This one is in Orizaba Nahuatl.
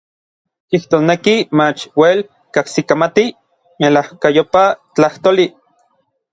Kijtosneki mach uel kajsikamati n melajkayopaj tlajtoli.